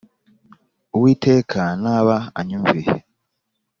Uwiteka ntaba anyumviye